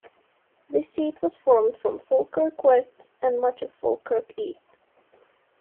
This seat was formed from Falkirk West and much of Falkirk East.